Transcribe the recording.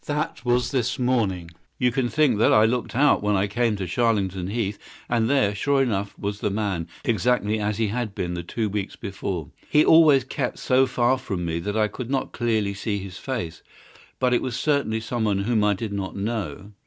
That was this morning. You can think that I looked out when I came to Charlington Heath, and there, sure enough, was the man, exactly as he had been the two weeks before. He always kept so far from me that I could not clearly see his face, but it was certainly someone whom I did not know.